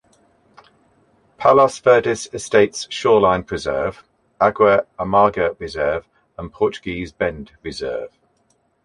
Palos Verdes Estates Shoreline Preserve, Agua Amarga Reserve, and Portuguese Bend Reserve.